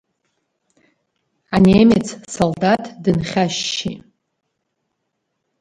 Анемец салдаҭ дынхьашьшьит.